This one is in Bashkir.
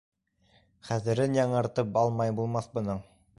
Хәтерен яңыртып алмай булмаҫ бының.